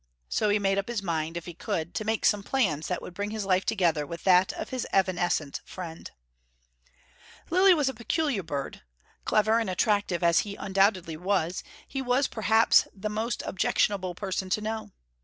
So he made up his mind, if he could, to make some plan that would bring his life together with that of his evanescent friend. Lilly was a peculiar bird. Clever and attractive as he undoubtedly was, he was perhaps the most objectionable person to know.